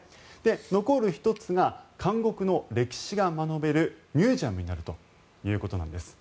残る１つが監獄の歴史が学べるミュージアムになるということです。